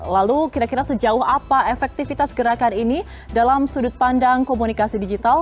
lalu kira kira sejauh apa efektivitas gerakan ini dalam sudut pandang komunikasi digital